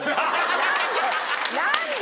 何で？